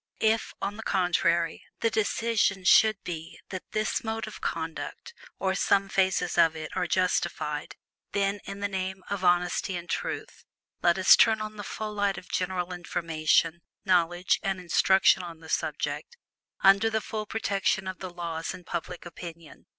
If, on the contrary, the decision should be that this mode of conduct, or some phases of it, are justified, then, in the name of Honesty and Truth, let us turn on the full light of general information, knowledge, and instruction on the subject, under the full protection of the laws and public opinion.